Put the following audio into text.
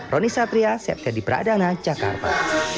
roni satria septya di pradana jakarta